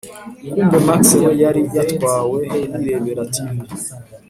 kumbe max we yari yatwawe yirebera tv,